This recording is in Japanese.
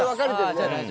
じゃあ大丈夫だ。